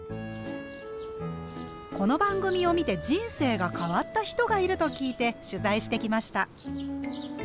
この番組を見て人生が変わった人がいると聞いて取材してきました。